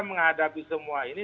menghadapi semua ini